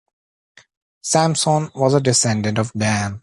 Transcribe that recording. Samson was a descendant of Dan.